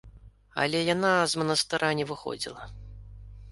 Але яна з манастыра не выходзіла.